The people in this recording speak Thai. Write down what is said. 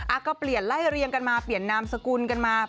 อ่ะก็เปลี่ยนไล่เรียงกันมาเปลี่ยนนามสกุลกันมา